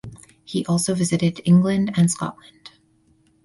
He also visited England and Scotland.